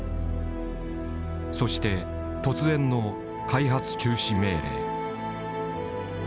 そして突然の開発中止命令。